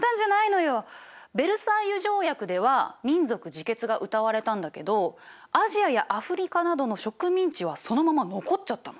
ヴェルサイユ条約では民族自決がうたわれたんだけどアジアやアフリカなどの植民地はそのまま残っちゃったの。